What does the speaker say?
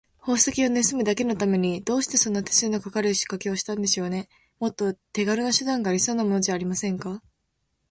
宝石をぬすむだけのために、どうしてそんな手数のかかるしかけをしたんでしょうね。もっと手がるな手段がありそうなものじゃありませんか。